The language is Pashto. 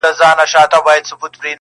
• د جانان د کوڅې لوری مو قبله ده -